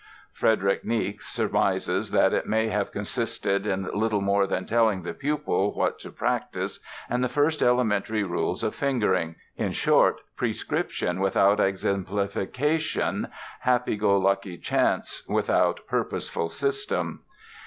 Frederick Niecks surmises that it may have consisted "in little more than telling the pupil what to practise and the first elementary rules of fingering ... in short, prescription without exemplification, happy go lucky chance without purposeful system".